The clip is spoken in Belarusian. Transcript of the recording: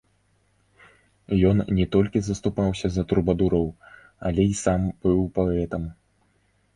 Ён не толькі заступаўся за трубадураў, але і сам быў паэтам.